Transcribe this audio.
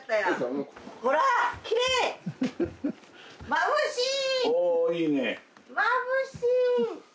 まぶしい。